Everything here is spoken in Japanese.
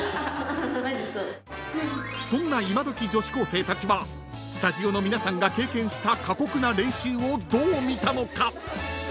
［そんな今どき女子高生たちはスタジオの皆さんが経験した過酷な練習をどう見たのか？］